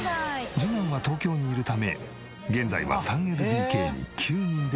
次男は東京にいるため現在は３ＬＤＫに９人で暮らしている。